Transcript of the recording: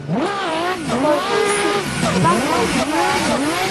Tôi với Sự vác đồ đi theo A Hội